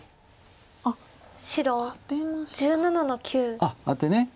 あっアテ。